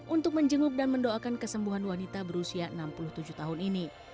untuk menjenguk dan mendoakan kesembuhan wanita berusia enam puluh tujuh tahun ini